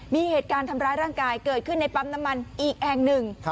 มีเหตุการณ์ทำร้ายร่างกายเกิดขึ้นในปั๊มน้ำมันอีกแห่งหนึ่ง